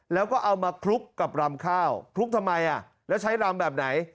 แล้วก็เอามาคลุกกับรำข้าวคลุกทำไมแล้วใช้ลำแบบไหน